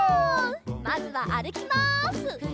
まずはあるきます！